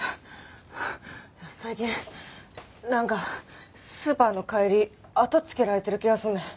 最近なんかスーパーの帰り後つけられてる気がすんねん。